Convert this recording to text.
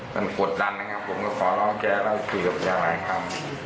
มันกดดันนะครับผมก็ขอร้องแกแล้วคุยกับแกหลายคำ